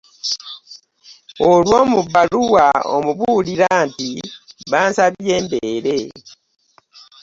Olwo mu bbaluwa omubuulira nti bansabye mbeere …